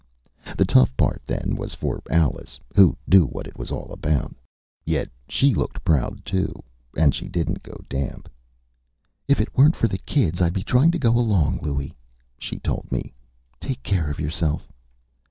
The tough part, then, was for Alice, who knew what it was all about. Yet she looked proud, too. And she didn't go damp. "If it weren't for the kids, I'd be trying to go along, Louie," she told me. "Take care of yourself."